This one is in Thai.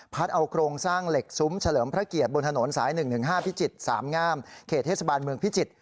เอาโครงสร้างเหล็กซุ้มเฉลิมพระเกียรติบนถนนสาย๑๑๕พิจิตรสามงามเขตเทศบาลเมืองพิจิตร